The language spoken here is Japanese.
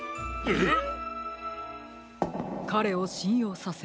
えっ！